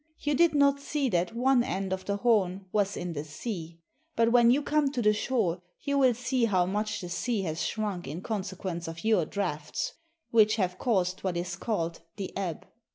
You did not see that one end of the horn was in the sea, but when you come to the shore you will see how much the sea has shrunk in consequence of your draughts, which have caused what is called the ebb.